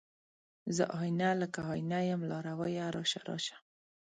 زه آئينه، لکه آئینه یم لارویه راشه، راشه